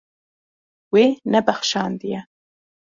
Wê nebexşandiye.